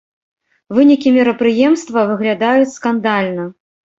Вынікі мерапрыемства выглядаюць скандальна.